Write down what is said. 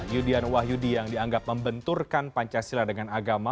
yudian wahyudi yang dianggap membenturkan pancasila dengan agama